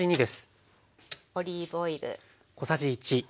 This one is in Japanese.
オリーブオイル。